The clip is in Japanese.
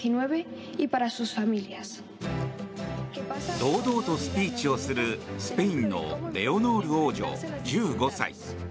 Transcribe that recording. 堂々とスピーチをするスペインのレオノール王女、１５歳。